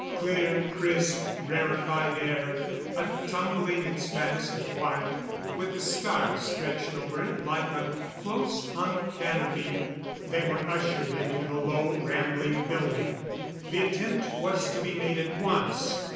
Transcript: Clear, crisp, rarefied air; a tumbling expanse of white, with the stars stretched over it like a close hung canopy. They were ushered into the low, rambling building. The attempt was to be made at once.